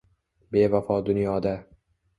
Bevafo dunyoda